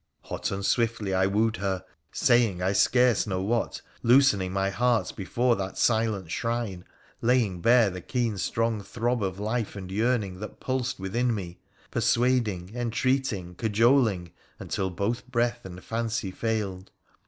Hot and swiftly I wooed her, saying I scarce know what, loosening my heart before that silent shrine, laying bare the keen strong throb of life and yearning that pulsed within me, persuading, entreating, cajol ing, until both breath and fancy failed.